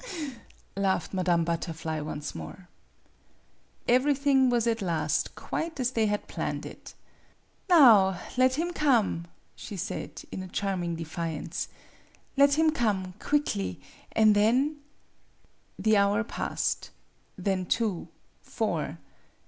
" Aha, ha, ha!" laughed Madame Butterfly once more. MADAME BUTTERFLY 73 Everything was at last quite as they had planned it. "Now let him come," she said, in a charming defiance '' let him come quickly an' then " The hour passed. Then two four.